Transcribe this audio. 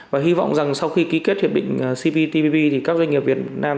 và hy vọng rằng sau khi ký kết hiệp định cptpp thì các doanh nghiệp việt nam